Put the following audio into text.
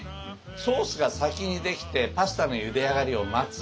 ソースが先に出来てパスタのゆで上がりを待つ。